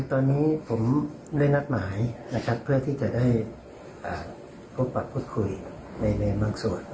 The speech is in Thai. ตอนนี้ผมได้นัดหมายเพื่อนี่จะได้พบประพฤติคุยในบางส่วน